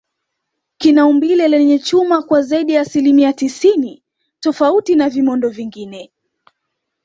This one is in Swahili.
kina umbile lenye chuma kwa zaidi ya asilimia tisini tofauti na vimondo vingine